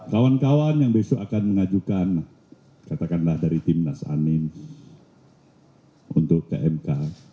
kawan kawan yang besok akan mengajukan katakanlah dari timnas amin untuk ke mk